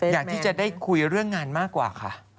อยากที่จะได้คุยเรื่องงานมากกว่าค่ะ